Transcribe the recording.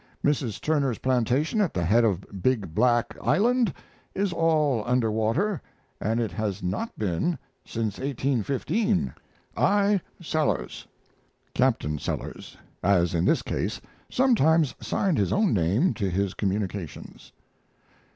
Mrs. Turner's plantation at the head of Big Black Island is all under water, and it has not been since 1815. I. SELLERS. [Captain Sellers, as in this case, sometimes signed his own name to his communications.